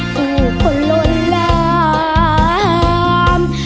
ผู้คนล้นลาม